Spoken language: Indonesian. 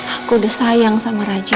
aku udah sayang sama raja